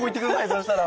そしたら！